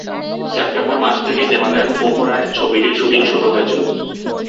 September মাস থেকেই নেপালের পোখরায় ছবিটির শুটিং শুরু হয়েছিল।